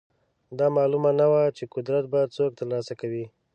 دا معلومه نه وه چې قدرت به څوک ترلاسه کوي.